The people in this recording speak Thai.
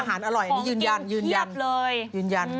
อาหารอร่อยอันนี้ยืนยันของกินเทียบเลย